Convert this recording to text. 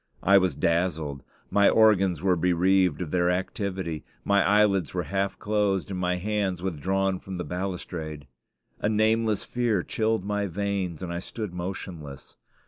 I was dazzled. My organs were bereaved of their activity. My eyelids were half closed, and my hands withdrawn from the balustrade. A nameless fear chilled my veins, and I stood motionless.